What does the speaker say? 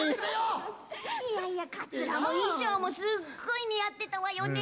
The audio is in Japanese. いやいやカツラも衣装もすっごい似合ってたわよね。